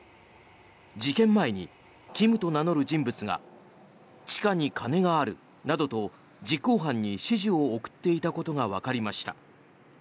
事件前にキムと名乗る人物が地下に金があるなどと実行犯に指示を送っていたことがわかりました。